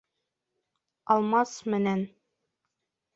Алмас менән...